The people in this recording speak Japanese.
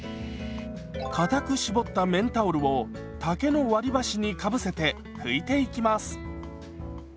かたく絞った綿タオルを竹の割り箸にかぶせて拭いていきます。